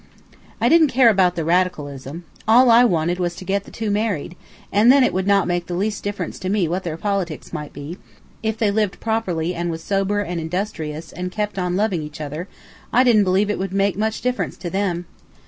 I didn't care about the Radicalism. All I wanted was to get the two married, and then it would not make the least difference to me what their politics might be; if they lived properly and was sober and industrious and kept on loving each other, I didn't believe it would make much difference to them.